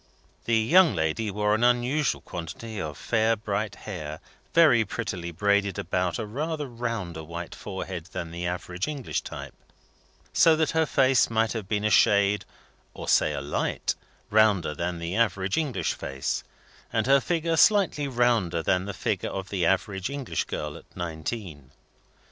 The young lady wore an unusual quantity of fair bright hair, very prettily braided about a rather rounder white forehead than the average English type, and so her face might have been a shade or say a light rounder than the average English face, and her figure slightly rounder than the figure of the average English girl at nineteen.